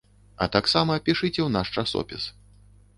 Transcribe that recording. А таксама пішыце ў наш часопіс.